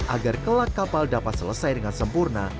agar kelak kapal dapat selesai dengan sempurna